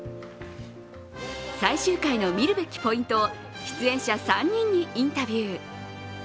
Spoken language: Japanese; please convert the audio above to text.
最終回の見るべきポイントを出演者３人にインタビュー。